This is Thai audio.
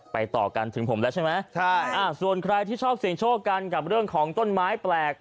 ต่อกันถึงผมแล้วใช่ไหมใช่อ่าส่วนใครที่ชอบเสี่ยงโชคกันกับเรื่องของต้นไม้แปลก